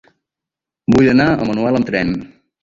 Vull anar a Manuel amb tren.